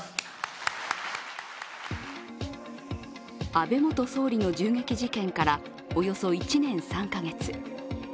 安倍元総理の銃撃事件から、およそ１年３か月。